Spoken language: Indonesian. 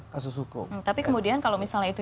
kasus hukum tapi kemudian kalau misalnya itu